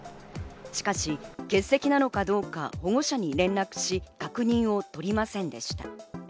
しかし欠席なのかどうか、保護者に連絡し、確認を取りませんでした。